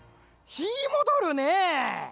ひーもどるねぇ。